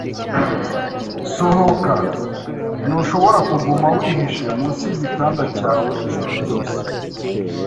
Sohoka. Ntushobora kuguma wihishe munsi yigitanda cyawe ijoro ryose.